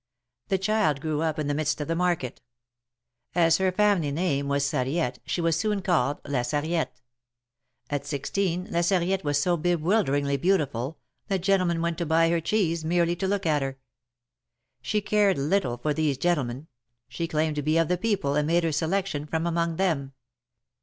The child grew up in the midst of the market. As her family name was Sarriet, she was soon called La Sarriette." At sixteen La Sar riette was so bewilderingly beautiful, that gentlemen went to buy her cheese, merely to look at her. She cared little for these gentlemen ; she claimed to be of the people, and made her selection from among them.